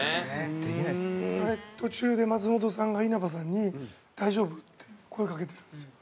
あれ途中で松本さんが稲葉さんに「大丈夫？」って声かけてるんですよ。